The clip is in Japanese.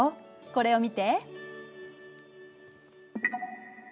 これを見て。